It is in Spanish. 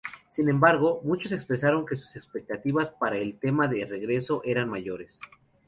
Sin embargo, muchos expresaron que sus expectativas para un tema de regreso eran mayores.